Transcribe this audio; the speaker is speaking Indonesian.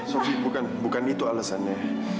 sofi bukan itu alasannya